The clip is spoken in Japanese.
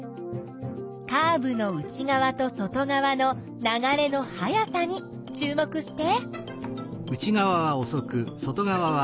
カーブの内側と外側の流れの速さに注目して。